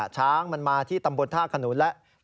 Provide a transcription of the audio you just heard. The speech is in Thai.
ช้างมันมาที่ตำบลท่าขนุนแล้ว